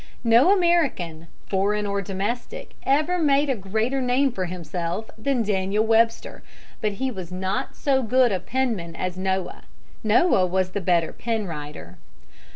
No American, foreign or domestic, ever made a greater name for himself than Daniel Webster, but he was not so good a penman as Noah; Noah was the better pen writer.